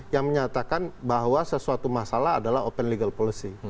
yang menyatakan bahwa sesuatu masalah adalah open legal policy